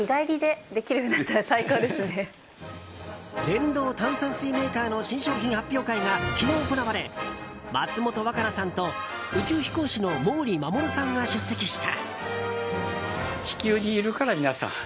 電動炭酸水メーカーの新商品発売会が昨日、行われ松本若菜さんと宇宙飛行士の毛利衛さんが出席した。